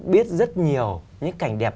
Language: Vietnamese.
biết rất nhiều những cảnh đẹp